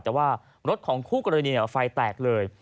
แต่ว่ารถของคู่กรณีไฟแตกเลย